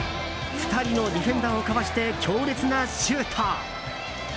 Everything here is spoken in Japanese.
２人のディフェンダーをかわして強烈なシュート！